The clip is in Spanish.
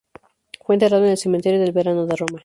Fue enterrado en el Cementerio del Verano de Roma.